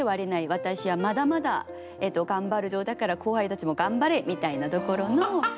私はまだまだ頑張るぞだから後輩たちも頑張れみたいなところの。